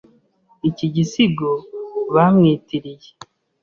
Iki gisigo bamwitiriye.